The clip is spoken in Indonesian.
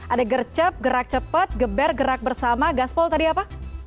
ada gercep gerak cepat geber gerak bersama gaspol tadi apa